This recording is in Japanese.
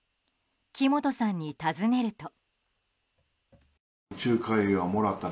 木本さんに尋ねると。